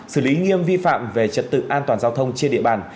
xử lý nghiêm vi phạm về trật tự an toàn giao thông trên địa bàn